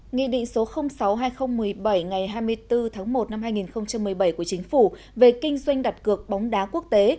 nghị định số sáu hai nghìn một mươi bảy ngày hai mươi bốn tháng một năm hai nghìn một mươi bảy của chính phủ về kinh doanh đặt cược bóng đá quốc tế